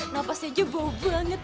napasnya jeboh banget